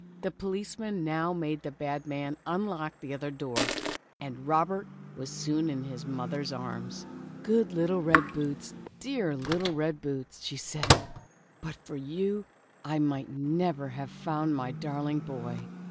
The police man now made the bad man unlock the other door, and Robert was soon in his mother's arms. ''Good little Red Boots, dear little Red Boots," said she, *'but for you, I might never have found my darling boy.